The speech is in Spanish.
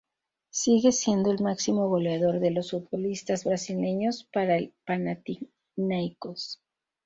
Sigue siendo el máximo goleador de los futbolistas brasileños para el Panathinaikos.